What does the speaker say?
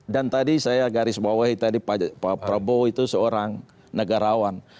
dan tadi saya garis bawah pak prabowo itu seorang negarawan